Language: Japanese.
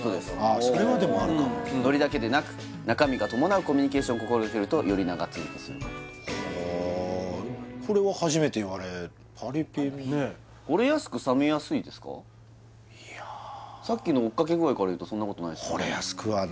あそれはでもあるかもノリだけでなく中身が伴うコミュニケーションを心がけるとより長続きするかもこれは初めて言われたパリピさっきの追っかけ具合からいうとそんなことないですもんね